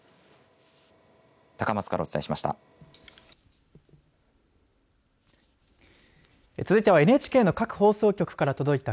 高松からお伝えしました。